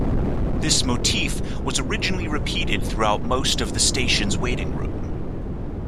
This motif was originally repeated throughout most of the station's waiting room.